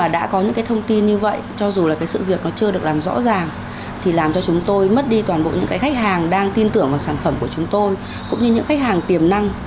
đang tin tưởng vào sản phẩm của chúng tôi cũng như những khách hàng tiềm năng